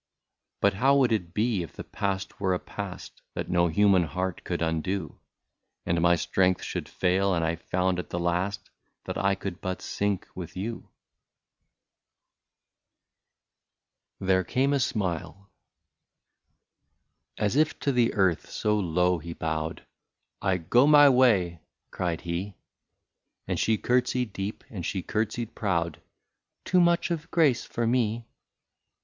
" But how would it be, if the past were a past, That no human love could undo. And my strength should fail, and I found at the last That I could but sink with you ?*' 199 THERE CAME A SMILE. As if to the earth, so low he bowed —" I go my way ''— cried he ; And she curtsied deep, and she curtsied proud " Too much of grace for me."